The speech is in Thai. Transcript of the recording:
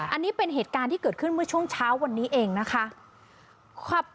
อันนี้เป็นเหตุการณ์ที่เกิดขึ้นเมื่อช่วงเช้าวันนี้เองนะคะ